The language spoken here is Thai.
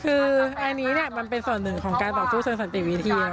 คืออันนี้มันเป็นส่วนหนึ่งของการต่อสู้เชิงสันติวิธี